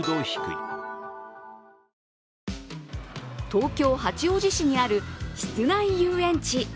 東京・八王子市にある室内遊園地。